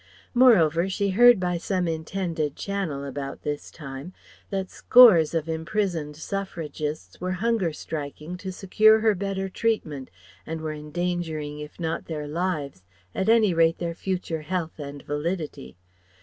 Moreover she heard by some intended channel about this time that scores of imprisoned suffragists were hunger striking to secure her better treatment and were endangering if not their lives at any rate their future health and validity.